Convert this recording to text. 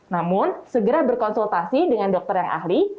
namun segera berkonsultasi dengan dokter yang ahli